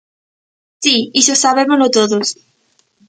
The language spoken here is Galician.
Si, iso sabémolo todos.